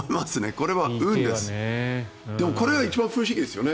これがでも一番不思議ですよね。